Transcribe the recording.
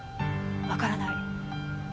わからない。